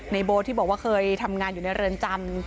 โบ๊ทที่บอกว่าเคยทำงานอยู่ในเรือนจำ